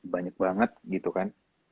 banyak banget gitu kan